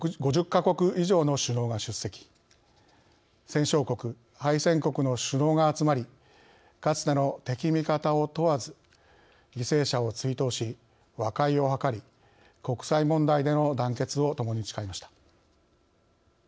戦勝国敗戦国の首脳が集まりかつての敵味方を問わず犠牲者を追悼し和解を図り国際問題での団結をともに誓いました。